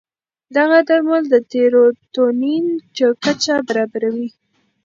دغه درمل د سیروتونین کچه برابروي.